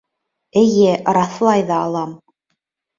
— Эйе, раҫлай ҙа алам.